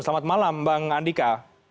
selamat malam bang andika